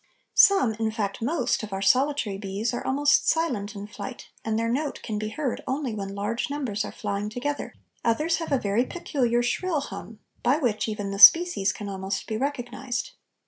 Some, in fact most, of our solitary bees are almost silent in flight, and their note can be heard only when large numbers are flying together; others have a very peculiar shrill hum, by which even the species can almost be recognized.